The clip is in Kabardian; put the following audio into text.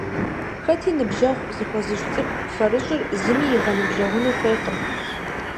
Хэти «ныбжьэгъу» зыхуэзыщӀ цӀыху фэрыщӀыр зыми игъэныбжьэгъуну хуейкъым.